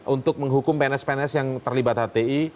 untuk menghukum pnrs pnrs yang terlibat hti